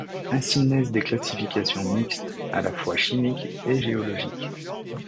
Ainsi naissent des classifications mixtes, à la fois chimiques et géologiques.